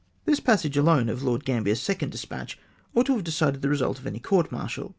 This passage alone of Lord Gambler's second de spatch ought to have decided the result of any court martial.